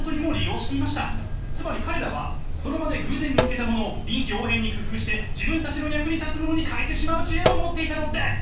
つまり彼らはその場で偶然見つけたものを臨機応変に工夫して自分たちの役に立つものに変えてしまう知恵を持っていたのです！